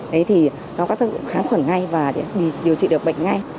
đấy thì nó có tác dụng kháng khuẩn ngay và điều trị được bệnh ngay